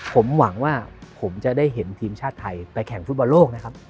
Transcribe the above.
ผมหวังว่าผมจะได้เห็นทีมชาติไทยไปแข่งฟุตบอลโลกนะครับ